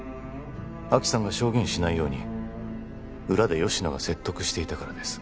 亜希さんが証言しないように裏で吉乃が説得していたからです